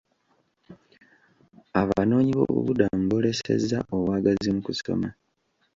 Abanoonyi b'obubuddamu boolesezza obwagazi mu kusoma.